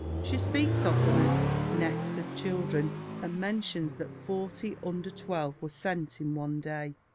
She speaks of them as "nests of children," and mentions that forty under twelve were sent in one day.